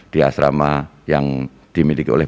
di asrama yang dimiliki oleh